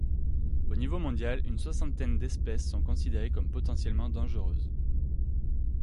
Au niveau mondial, une soixantaine d'espèces sont considérées comme potentiellement dangereuses.